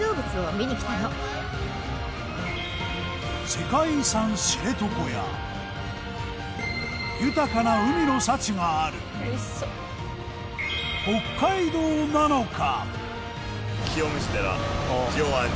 世界遺産知床や豊かな海の幸がある北海道なのか？